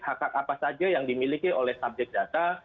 hak hak apa saja yang dimiliki oleh subjek data